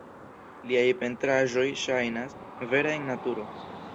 Liaj pentraĵoj ŝajnas vere en naturo.